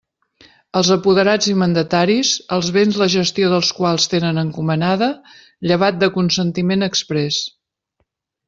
Els apoderats i mandataris, els béns la gestió dels quals tenen encomanada, llevat de consentiment exprés.